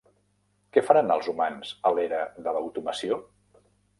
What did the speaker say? Què faran els humans a l'era de l'automació?